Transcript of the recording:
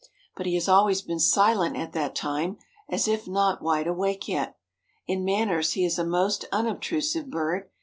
But he has always been silent at that time as if not wide awake yet. In manners he is a most unobtrusive bird.